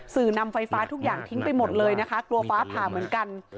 สื่อนำไฟฟ้าทุกอย่างทิ้งไปหมดเลยนะคะกลัวฟ้าผ่าเหมือนกัน